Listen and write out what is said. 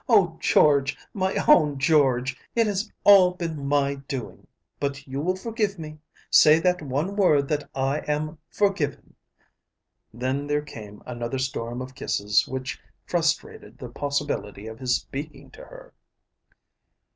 "Oh, George, my own George! It has all been my doing; but you will forgive me! Say that one word that I am 'forgiven.'" Then there came another storm of kisses which frustrated the possibility of his speaking to her.